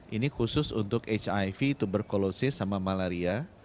ini khusus untuk hiv tuberculosis sama malaria